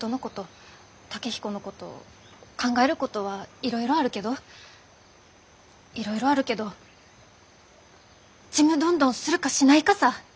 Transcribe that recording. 健彦のこと考えることはいろいろあるけどいろいろあるけどちむどんどんするかしないかさぁ！